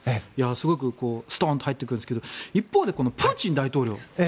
すごくストンと入ってくるんですけど一方でプーチン大統領。